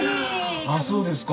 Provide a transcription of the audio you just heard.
ああそうですか？